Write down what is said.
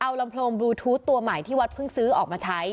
เอาลำโพงบลูทูธตัวใหม่ที่วัดเพิ่งซื้อออกมาใช้